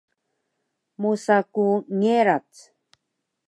mosa ku ngerac